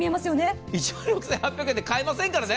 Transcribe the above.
１万６８００円で買えませんからね。